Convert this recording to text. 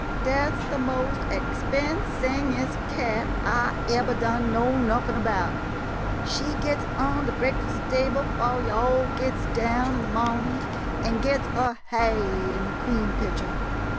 Dat 's de mos' expen singest cat I ebber done know nuffin about. She gits on de breakfust table 'fo' yo' all gits down in de mohnin', and gits her haid in de cream pitcher.